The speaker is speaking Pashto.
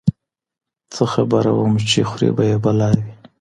څه خبره وم چي خوري به یې بلاوي